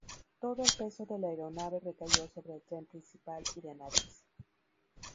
Todo el peso de la aeronave recayó sobre el tren principal y de nariz.